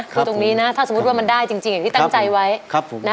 คือตรงนี้นะถ้าสมมุติว่ามันได้จริงอย่างที่ตั้งใจไว้